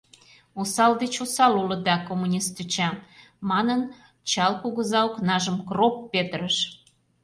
— Осал деч осал улыда — коммунист тӱча, — манын, чал кугыза окнажым кроп петырыш.